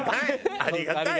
ありがたいわ。